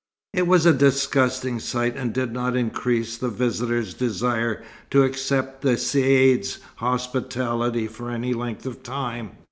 It was a disgusting sight, and did not increase the visitors' desire to accept the Caïd's hospitality for any length of time.